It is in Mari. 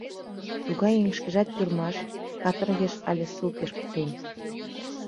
Тугай еҥ шкежат тюрьмаш, каторгеш але ссылкеш пытен.